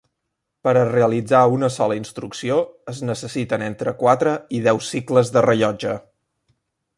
Per a realitzar una sola instrucció es necessiten entre quatre i deu cicles de rellotge.